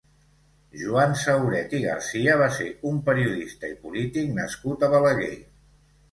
Joan Sauret i Garcia va ser un periodista i polític nascut a Balaguer.